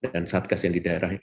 dan satgas yang di daerah